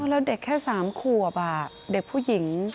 แล้วเด็กแค่๓ขวบเด็กผู้หญิง